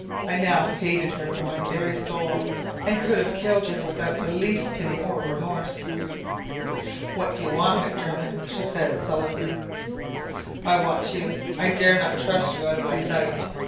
I now hated her from my very soul, and could have killed her without the least pity or remorse. "'What do you want, Macdermot!' she said sullenly. "'I want you. I dare not trust you out of my sight.